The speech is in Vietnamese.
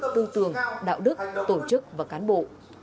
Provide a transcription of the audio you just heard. tư tưởng đạo đức tổ chức và cán bộ